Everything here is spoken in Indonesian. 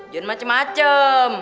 jangan macem macem